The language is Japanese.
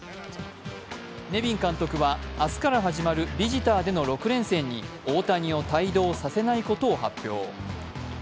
ネビン監督は、明日から始まるビジターでの６連戦に大谷を帯同させないことを発表。